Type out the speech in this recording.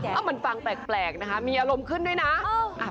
มันฟังแปลกนะคะมีอารมณ์ขึ้นด้วยนะ